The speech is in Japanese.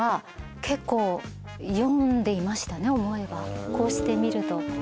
思えばこうして見ると。